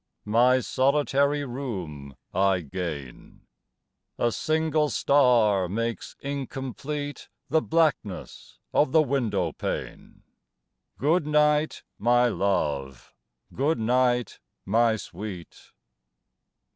My solitary room I gain. A single star makes incomplete The blackness of the window pane. Good night, my love! good night, my sweet!